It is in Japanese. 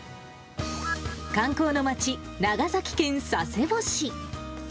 観光の町、長崎県佐世保市。